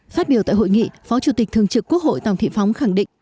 phát biểu tại hội nghị phó chủ tịch thường trực quốc hội tòng thị phóng khẳng định